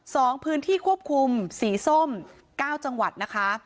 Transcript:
สองพื้นที่ควบคุมสีส้มเก้าจังหวัดนะคะ